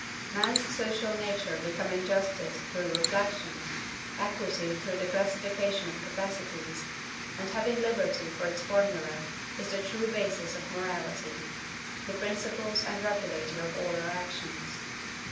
Man's social nature becoming JUSTICE through reflection, EQUITE through the classification of capacities, and having LIBERTY for its formula, is the true basis of morality, the principle and regulator of all our actions.